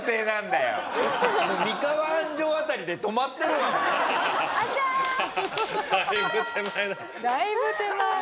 だいぶ手前。